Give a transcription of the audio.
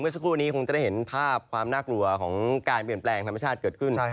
สักครู่นี้คงจะได้เห็นภาพความน่ากลัวของการเปลี่ยนแปลงธรรมชาติเกิดขึ้น